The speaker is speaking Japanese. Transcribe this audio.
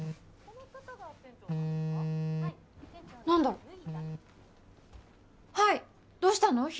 何だろはいどうしたの？